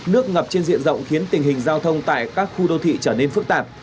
nước ngập trên diện rộng khiến tình hình giao thông tại các khu đô thị trở nên phức tạp